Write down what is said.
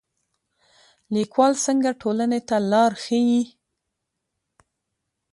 لیکوال څنګه ټولنې ته لار ښيي؟